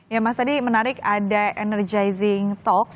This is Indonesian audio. ya mas tadi menarik ada energizing talks